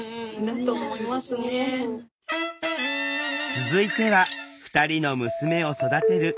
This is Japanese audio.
続いては２人の娘を育てる聖子さん。